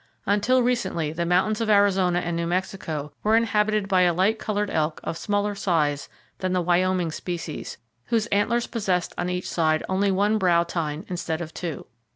Until recently the mountains of Arizona and New Mexico were inhabited by a light colored elk of smaller size than the Wyoming species, whose antlers possessed on each side only one brow tine instead of two.